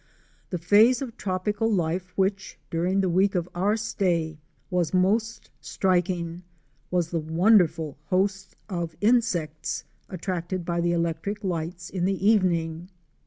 The phase of tropical life which, during the week of our stay, was most striking, was the wonderful host of insects attracted by the electric lights in the evening.